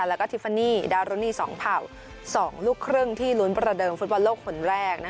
แล้วก็ทิฟฟานีดารุณี๒เผ่า๒ลูกครึ่งที่ลุ้นประเดิมฟุตบอลโลกคนแรก